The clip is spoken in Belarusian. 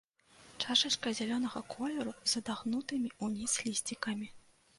Чашачка зялёнага колеру, з адагнутымі ўніз лісцікамі.